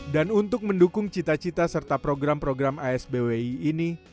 dan untuk mendukung cita cita serta program program asbwi ini